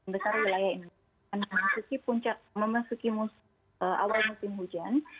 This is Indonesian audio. besar wilayah indonesia akan memasuki awal musim hujan